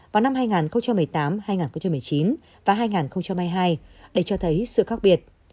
vào năm hai nghìn một mươi tám hai nghìn một mươi chín và hai nghìn hai mươi hai để cho thấy sự khác biệt